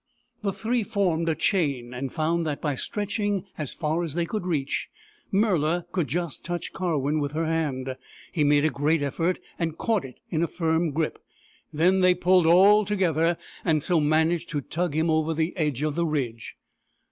The three formed a chain and found that, by stretching as far as they could reach, Murla could just touch Karwin with her hand. He made a great effort and caught it in a firm grip, and then they pulled all together, and so managed to tug him over the edge of the ridge.